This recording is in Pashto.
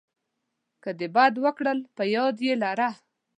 که د بد وکړل په یاد یې ولره .